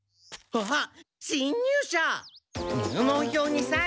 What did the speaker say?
あっ。